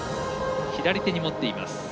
左手に持っています。